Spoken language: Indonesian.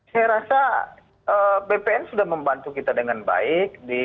saya rasa bpn sudah membantu kita dengan baik